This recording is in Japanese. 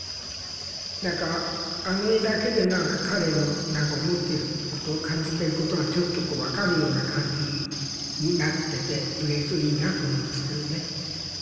何かあの絵だけで何か彼の思ってること感じてることがちょっとこうわかるような感じになっててくれるといいなと思いますけどね。